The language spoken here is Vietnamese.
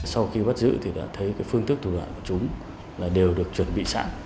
sau khi bắt giữ thì đã thấy phương thức thủ đoạn của chúng là đều được chuẩn bị sẵn